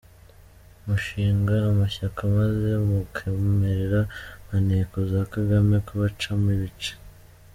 Mushinga amashyaka maze mukemerera maneko za Kagame kubacamo ibice.